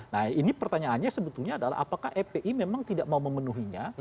nah ini pertanyaannya sebetulnya adalah apakah epi memang tidak mau memenuhinya